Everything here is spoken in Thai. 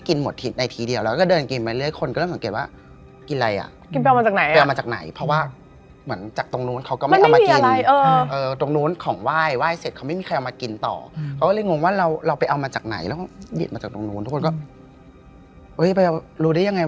คือมีพี่คนยังไงที่เขาเป็น